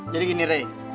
jadi gini reh